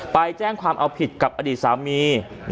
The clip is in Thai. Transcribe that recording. ไปแจ้งความเอาผิดกับอดีตสามี